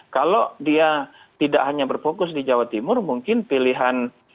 kalau dia tidak hanya berfokus di jawa timur mungkin pilihan